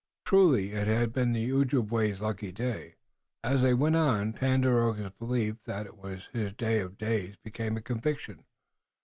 Truly, it had been the Ojibway's lucky day. As they went on, Tandakora's belief that it was his day of days became a conviction.